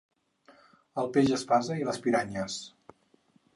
El peix espasa i les piranyes.